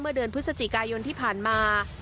เดือนพฤศจิกายนที่ผ่านมา